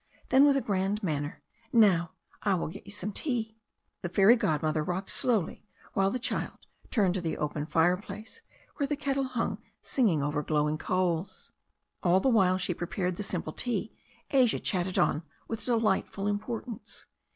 Then, with a grand manner, "Now I will get you some tea." The fairy godmother rocked slowly while the child turned to the open fire place, where the kettle hung singing over glowing coals. All the while she prepared the simple tea Asia chatted on with delightful importance.